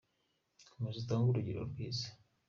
komeza utange urugero rwiza.